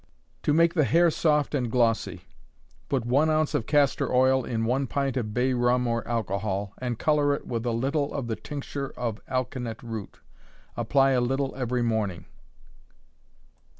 To Make the Hair Soft and Glossy. Put one ounce of castor oil in one pint of bay rum or alcohol, and color it with a little of the tincture of alkanet root. Apply a little every morning.